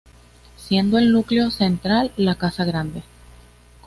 Siendo el núcleo central la Casa Grande.